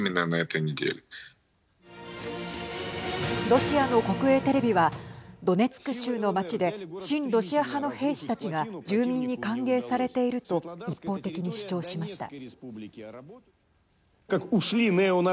ロシアの国営テレビはドネツク州の街で親ロシア派の兵士たちが住民に歓迎されていると一方的に主張しました。